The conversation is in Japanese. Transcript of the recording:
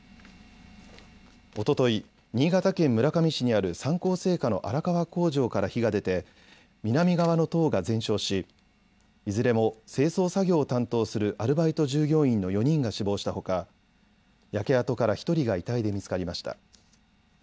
おととい、新潟県村上市にある三幸製菓の荒川工場から火が出て南側の棟が全焼しいずれも清掃作業を担当するアルバイト従業員の４人が死亡したほか焼け跡から１人が遺体で見つかりました。